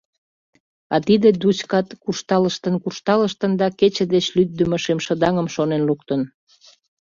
А тиде Дуськат куржталыштын-куржталыштын да кече деч лӱддымӧ шемшыдаҥым шонен луктын.